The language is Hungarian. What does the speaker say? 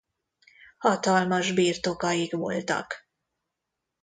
Hatalmas birtokaik voltak.